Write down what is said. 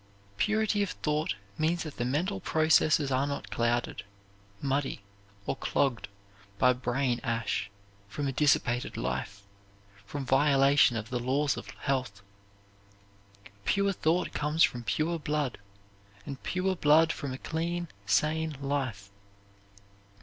Purity of thought means that the mental processes are not clouded, muddy, or clogged by brain ash from a dissipated life, from violation of the laws of health. Pure thought comes from pure blood, and pure blood from a clean, sane life.